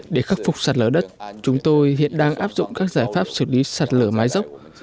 để khắc phục sạt lở đất chúng tôi hiện đang áp dụng các giải pháp xử lý sạt lở mái dốc